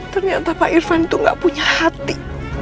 ternyata pak irfan itu gak punya hati